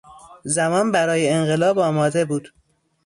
زمان برای انقلاب آماده بود.